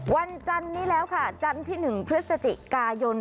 วันจันทร์นี้แล้วค่ะจันทร์ที่หนึ่งพฤศจิกายน